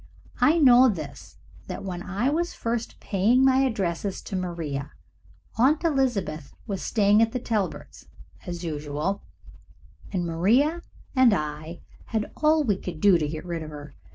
I know this, that when I was first paying my addresses to Maria, Aunt Elizabeth was staying at the Talberts' as usual, and Maria and I had all we could do to get rid of her.